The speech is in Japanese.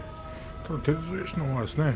照強のほうがですね